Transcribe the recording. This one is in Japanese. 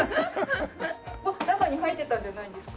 中に入ってたんじゃないんですか？